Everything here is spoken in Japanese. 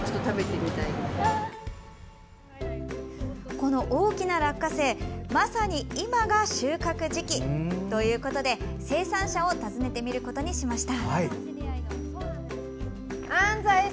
この大きな落花生まさに今が収穫時期。ということで、生産者を訪ねてみることにしました。